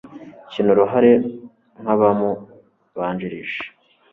kina uruhare rwe nkabamubanjirije